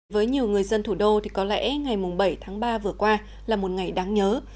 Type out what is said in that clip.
với nhiều người dân thủ đô thì có lẽ ngày bảy tháng ba vừa qua là một ngày đáng nhớ